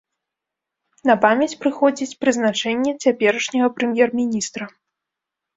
На памяць прыходзіць прызначэнне цяперашняга прэм'ер-міністра.